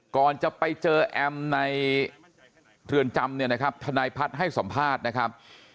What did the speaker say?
ก่อนจะไปเจอแอมในเรือนจำเนี่ยนะครับทนายพัฒน์ให้สัมภาษณ์นะครับ